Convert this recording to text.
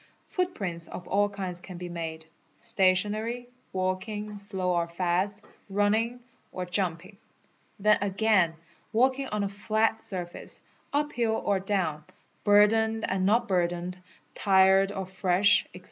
Footprints of a kinds can be made: stationary, walking (slow or fast), running, or ju np ing. Then again walking on a flat surface, uphill or down, burdened an not burdened, tired or fresh, &c.